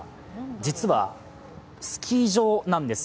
実は、スキー場なんです。